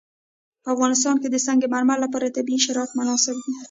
په افغانستان کې د سنگ مرمر لپاره طبیعي شرایط مناسب دي.